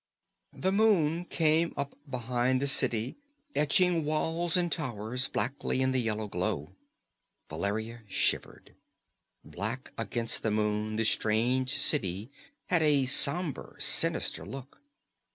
The moon came up behind the city, etching walls and towers blackly in the yellow glow. Valeria shivered. Black against the moon the strange city had a somber, sinister look.